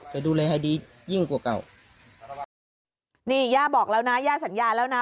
จะดูแลให้ดียิ่งกว่าเก่านี่ย่าบอกแล้วนะย่าสัญญาแล้วนะ